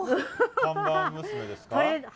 看板娘ですか？